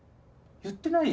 言ってない？